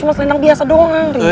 cuma selendang biasa doang liat lo